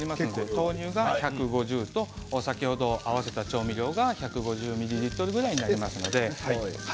豆乳が１５０と先ほど合わせた調味料が１５０ミリリットルぐらいになります。